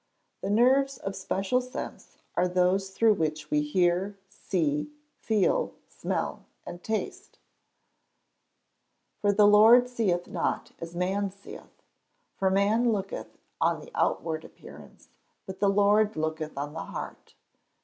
_ The nerves of special sense are those through which we hear, see, feel, smell, and taste. [Verse: "For the Lord seeth not as man seeth; for man looketh on the outward appearance, but the Lord looketh on the heart."